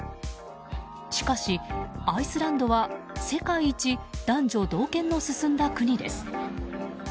しかし、アイスランドは世界一男女同権の進んだ国です。